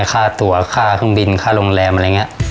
ค่าตัวค่าเครื่องบินค่าโรงแรมอะไรอย่างนี้